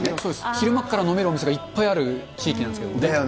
昼間っから飲めるお店がいっぱいある地域なんですけど。